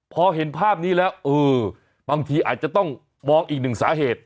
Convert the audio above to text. พอเห็นภาพนี้แล้วเออบางทีอาจจะต้องมองอีกหนึ่งสาเหตุ